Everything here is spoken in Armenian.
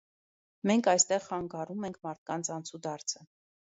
մենք այստեղ խանգարում ենք մարդկանց անցուդարձը: